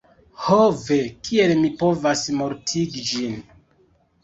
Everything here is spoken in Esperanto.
Ho ve! Kiel mi povas mortigi ĝin?